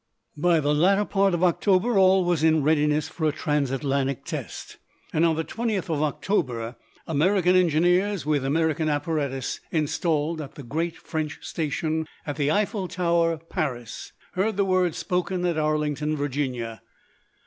By the latter part of October all was in readiness for a transatlantic test, and on the 20th of October American engineers, with American apparatus installed at the great French station at the Eiffel Tower, Paris, heard the words spoken at Arlington, Virginia.